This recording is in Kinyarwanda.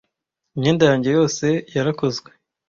Imyenda yanjye yose yarakozwe.